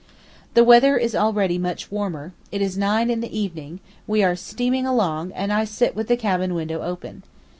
The weather is already much warmer, it is nine in the evening, we are steaming along and I sit with the cabin window open.